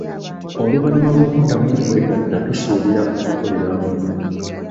Oluvannyuma lw'okuddamu okwegatta tusuubira okukolera awamu.